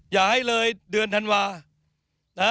อย่าให้เลยเดือนธันวานะ